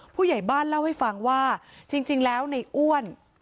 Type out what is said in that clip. ผู้ใหญ่บ้านเล่าให้ฟังว่าจริงแล้วในอ้วน